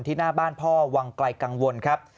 หน้าบ้านพ่อวังไกลกังวลครับ